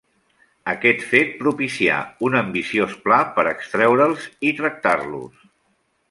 Aquest fet propicià un ambiciós pla per extreure'ls i tractar-los.